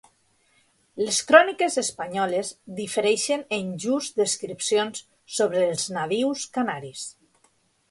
Les cròniques espanyoles difereixen en llurs descripcions sobre els nadius canaris.